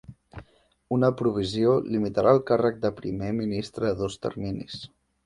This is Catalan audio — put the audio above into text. Una provisió limitarà el càrrec de primer ministre a dos terminis.